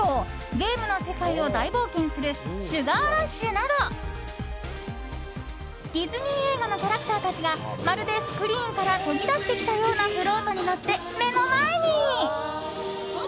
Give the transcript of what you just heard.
ゲームの世界を大冒険する「シュガー・ラッシュ」などディズニー映画のキャラクターたちがまるでスクリーンから飛び出してきたようなフロートに乗って目の前に。